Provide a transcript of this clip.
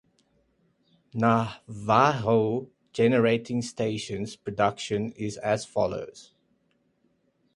Navajo Generating Station's production is as follows.